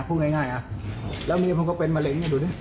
พูดง่ายง่ายอ่ะแล้วอันนี้ผมก็เป็นมะเร็งเนี่ยดูนี่